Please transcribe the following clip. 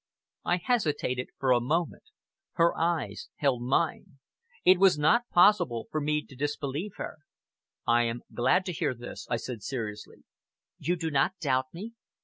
I hesitated for a moment. Her eyes held mine. It was not possible for me to disbelieve her. "I am glad to hear this," I said seriously. "You do not doubt me?"